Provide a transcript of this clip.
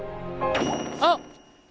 あっ！